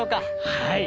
はい！